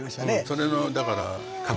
それのだから。